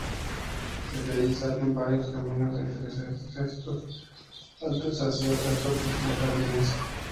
Desde allí salen varios caminos entre setos altos hacia otras partes de los jardines.